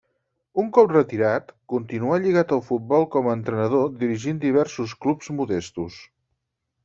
Un cop retirat continuà lligat al futbol com a entrenador, dirigint diversos clubs modestos.